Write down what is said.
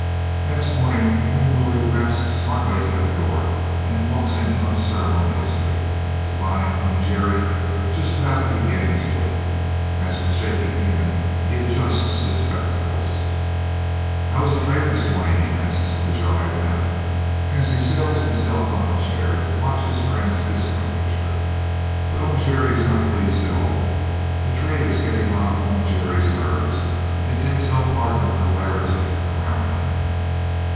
Next morning Oom Willie raps smartly at the door and walks in unceremoniously, to find Oom Gerrie just about to begin his work, as with shaking hand he adjusts his spectacles. "How is trade this morning?" he asks, with a jolly laugh, as he settles himself on a chair to watch his friend's discomfiture. But Oom Gerrie is not pleased at all. The trade is getting on Oom Gerrie's nerves, and he takes no part in the hilarity around him.